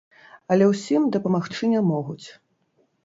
Але ўсім дапамагчы не могуць.